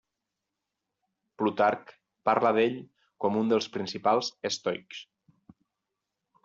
Plutarc parla d'ell com un dels principals estoics.